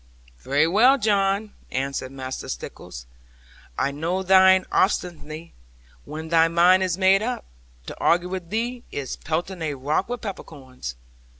'Very well, John,' answered Master Stickles, 'I know thine obstinacy. When thy mind is made up, to argue with thee is pelting a rock with peppercorns.